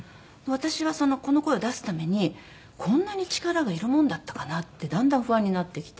私はこの声を出すためにこんなに力がいるものだったかなってだんだん不安になってきて。